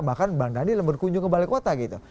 bahkan bang daniel berkunjung ke balai kota gitu